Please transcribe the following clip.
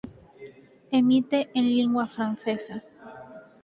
Emite en lingua francesa.